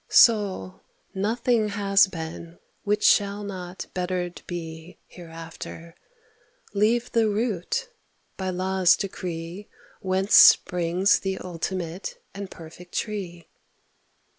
Soul — nothing has been which shall not bettered be Hereafter — leave the root, by law's decree Whence springs the ultimate and perfect tree